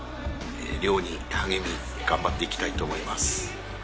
漁に励み頑張って行きたいと思います。